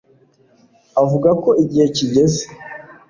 avuga ko igihe kigeze